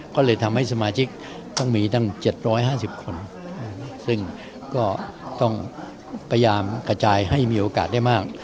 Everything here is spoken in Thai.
ก็เลยทำให้สมาชิกต้องมีตั้ง๗๕๐คนซึ่งก็ต้องพยายามกระจายให้มีโอกาสได้มาก